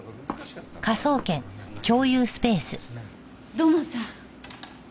土門さん。